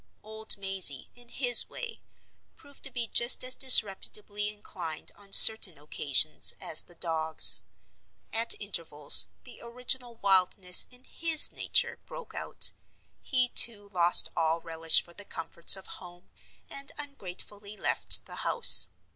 Old Mazey, in his way, proved to be just as disreputably inclined on certain occasions as the dogs. At intervals, the original wildness in his nature broke out; he, too, lost all relish for the comforts of home, and ungratefully left the house.